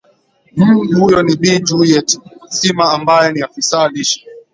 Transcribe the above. m huyo ni bi juiet sima ambaye ni afisa lishe